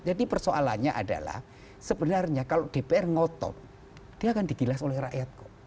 jadi persoalannya adalah sebenarnya kalau dpr ngotot dia akan digilas oleh rakyat kok